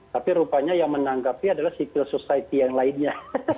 tapi rupanya yang menanggapi adalah civil society yang lainnya